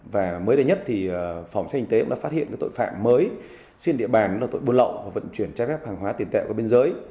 và mới đây nhất phòng sách kinh tế đã phát hiện tội phạm mới trên địa bàn là tội buôn lậu và vận chuyển trái phép hàng hóa tiền tẹo qua bên giới